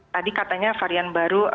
tadi katanya varian baru